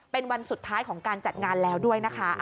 เป็นวันสุดท้ายของการจัดงานแล้วด้วยนะคะ